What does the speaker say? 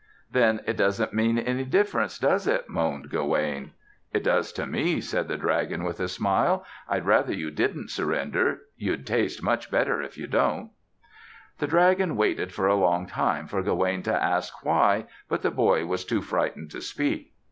"Then it doesn't mean any difference, does it?" moaned Gawaine. "It does to me," said the dragon with a smile. "I'd rather you didn't surrender. You'd taste much better if you didn't." The dragon waited for a long time for Gawaine to ask "Why?" but the boy was too frightened to speak.